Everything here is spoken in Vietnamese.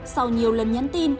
sau nhiều lần nhắn tin